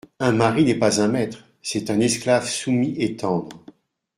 Un mari n’est pas un maître… c’est un esclave soumis et tendre…